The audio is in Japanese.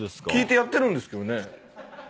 聞いてやってるんですけどね。